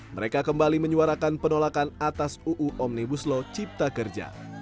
mereka kembali menyuarakan penolakan atas uu omnibus law cipta kerja